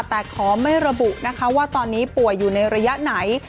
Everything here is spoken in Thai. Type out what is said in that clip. แต่ขอไม่ระบุนะคะว่าตอนนี้ป่วยอยู่ในระยะไหน